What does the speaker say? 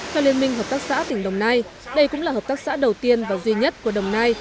theo liên minh hợp tác xã tỉnh đồng nai đây cũng là hợp tác xã đầu tiên và duy nhất của đồng nai